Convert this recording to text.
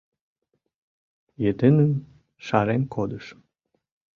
Йытыным шарен кодышым.